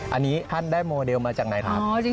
อันนี้ท่านได้โมเดลมาจากไหนครับ